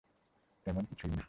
তেমন কিছুই না।